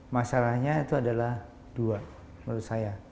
masalahnya itu adalah dua menurut saya